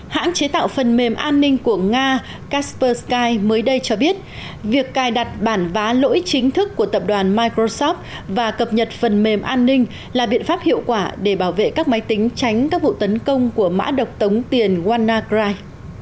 hãng chế tạo phần mềm an ninh của nga casper sky mới đây cho biết việc cài đặt bản vá lỗi chính thức của tập đoàn microsoft và cập nhật phần mềm an ninh là biện pháp hiệu quả để bảo vệ các máy tính tránh các vụ tấn công của mã độc tống tiền wannacry